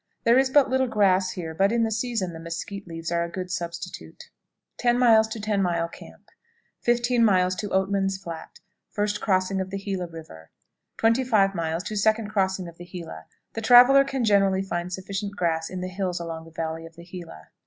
There is but little grass here, but in the season the mesquite leaves are a good substitute. 10. Ten Mile Camp. 15. Oatman's Flat. First crossing of the Gila River. 25. Second Crossing of the Gila. The traveler can generally find sufficient grass in the hills along the valley of the Gila.